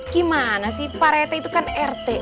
gimana sih pak rete itu kan rt